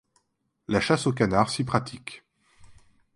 La chasse au canard s'y pratique.